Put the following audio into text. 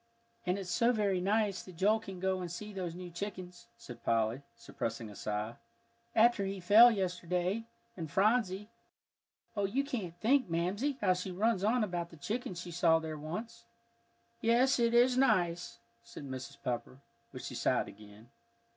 "And it's so very nice that Joel can go and see those new chickens," said Polly, suppressing a sigh, "after he fell yesterday, and Phronsie, oh, you can't think, Mamsie! how she runs on about the chickens she saw there once." "Yes, it is nice," said Mrs. Pepper, but she sighed again.